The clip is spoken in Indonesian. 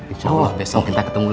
insya allah besok kita ketemu